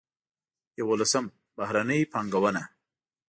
یولسم: بهرنۍ پانګونه.